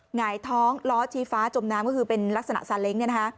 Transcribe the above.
หงายท้องล้อชี้ฟ้าจมน้ำก็คือเป็นลักษณะซาเล้ง